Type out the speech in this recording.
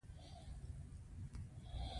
پاچا د قوانینو لغوه کولو واک نه لري.